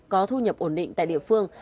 có thu nhập ổn định tại địa phương